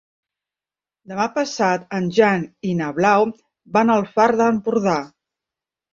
Demà passat en Jan i na Blau van al Far d'Empordà.